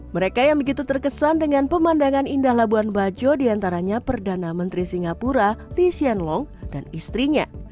mereka yang begitu terkesan dengan pemandangan indah labuan bajo diantaranya perdana menteri singapura lee hsien long dan istrinya